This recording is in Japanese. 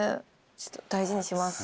大事にします。